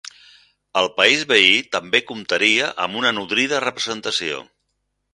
El país veí també comptaria amb una nodrida representació.